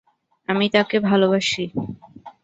আমি তাকে ভালোবাসি!